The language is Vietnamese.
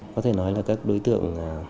có thể nói là các đối tượng